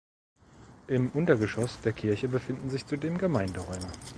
Im Untergeschoss der Kirche befinden sich zudem Gemeinderäume.